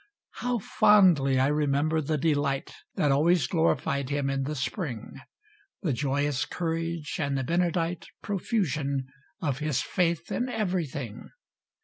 How fondly I remember the delight That always glorified him in the spring; The joyous courage and the benedight Profusion of his faith in everything!